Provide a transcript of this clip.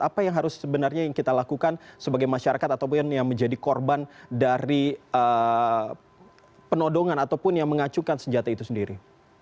apa yang harus sebenarnya yang kita lakukan sebagai masyarakat ataupun yang menjadi korban dari penodongan ataupun yang mengacukan senjata itu sendiri